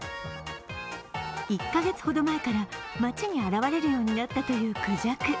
１カ月ほど前から街に現れるようになったというくじゃく。